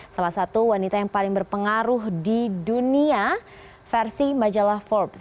salah satu wanita yang paling berpengaruh di dunia versi majalah forbes